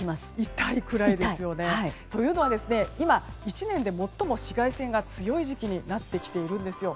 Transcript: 痛いくらいですよね。というのは今１年で最も紫外線が強い時期になってきているんですよ。